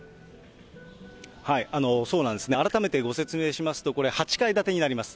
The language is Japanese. そうなんですね、改めてご説明しますと、これ、８階建てになります。